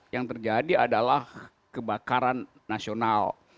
yang terjadi adalah kebakaran nasional